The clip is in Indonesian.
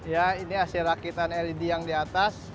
ya ini hasil rakitan led yang di atas